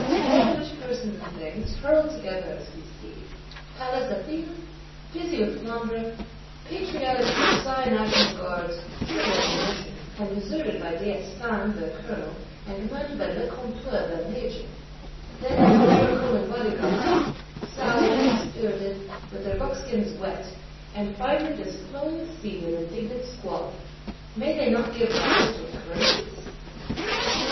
All which persons and things, hurled together as we see; Pallas Athene, busy with Flandre; patriotic Versailles National Guards, short of ammunition, and deserted by d'Estaing their Colonel, and commanded by Lecointre their Major; then caracoling Bodyguards, sour, dispirited, with their buckskins wet; and finally this flowing sea of indignant Squalor,—may they not give rise to occurrences?